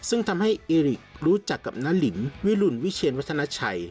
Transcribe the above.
ซึ่งทำให้อิริกรู้จักกับนาลินวิรุณวิเชียนวัฒนาชัย